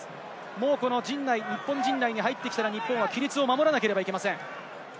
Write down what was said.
もうこの陣内に入ってきたら日本は規律を守らなくてはなりません。